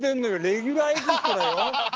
レギュラーエキストラよ！